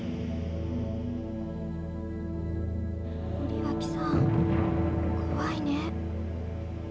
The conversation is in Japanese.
・森脇さん怖いね。